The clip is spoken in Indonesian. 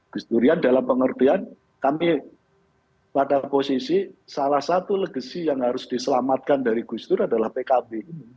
gus durian dalam pengertian kami pada posisi salah satu legasi yang harus diselamatkan dari gus dur adalah pkb